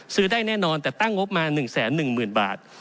ได้แน่นอนแต่ตั้งงบมา๑๑๐๐๐บาท